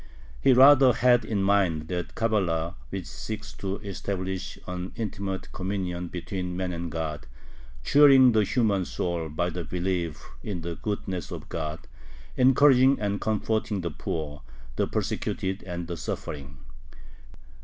He rather had in mind that Cabala which seeks to establish an intimate communion between man and God, cheering the human soul by the belief in the goodness of God, encouraging and comforting the poor, the persecuted, and the suffering.